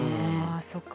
あそっか。